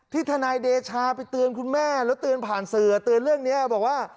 ทนายเดชาไปเตือนคุณแม่แล้วเตือนผ่านสื่อเตือนเรื่องนี้บอกว่า